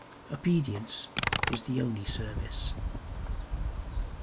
Obedience is the only service.